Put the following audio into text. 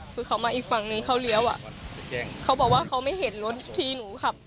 คือเขามาอีกฝั่งนึงเขาเลี้ยวอ่ะเขาบอกว่าเขาไม่เห็นรถที่หนูขับ